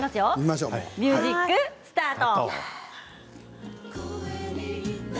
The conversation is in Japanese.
ミュージックスタート。